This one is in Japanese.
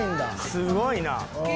すごいな！